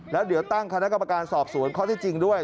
แล้วเดี๋ยวตั้งคณะกรรมการสอบสวนข้อที่จริงด้วย